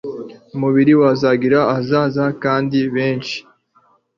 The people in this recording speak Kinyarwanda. umubiri wazagira ahazaza kandi benshi